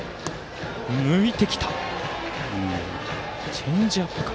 チェンジアップか。